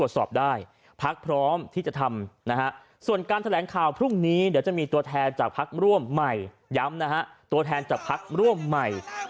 ส่วนการแถลงข่าวพรุ่งนี้คงจะมีตัวแทนจากภักร์ร่วมใหม่